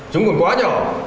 chúng còn quá nhỏ